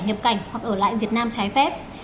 nhập cảnh hoặc ở lại việt nam trái phép